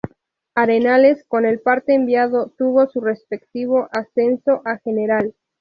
Arenales, con el parte enviado, tuvo su respectivo ascenso a general.